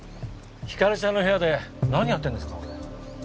ひかりちゃんの部屋で何やってんですか？